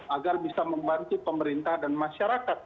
agar bisa membantu pemerintah dan masyarakat